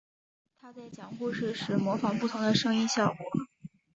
他在讲故事时模仿不同的声音效果。